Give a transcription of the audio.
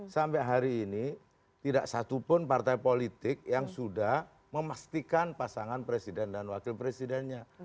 sampai hari ini tidak satupun partai politik yang sudah memastikan pasangan presiden dan wakil presidennya